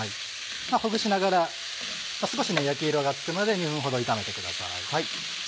ほぐしながら少し焼き色がつくまで２分ほど炒めてください。